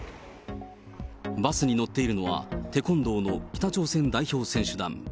バスに乗っているのは、テコンドーの北朝鮮代表選手団。